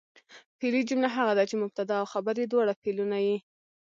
فعلي جمله هغه ده، چي مبتدا او خبر ئې دواړه فعلونه يي.